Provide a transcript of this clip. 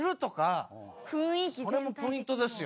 これもポイントですよ。